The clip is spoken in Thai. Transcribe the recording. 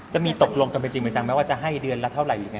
จะมีตกลงกันเป็นจริงว่ามั้ยว่าจะให้เดือนละเท่าไหร่ไง